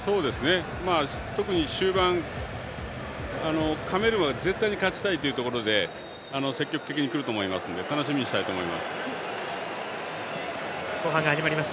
特に終盤、カメルーンは絶対に勝ちたいというところで積極的に来ると思いますので楽しみにしたいと思います。